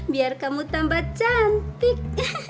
biar kamu tambah cantik